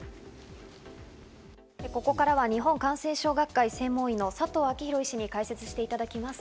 ここからは日本感染症学会・指導医の佐藤昭裕医師に解説していただきます。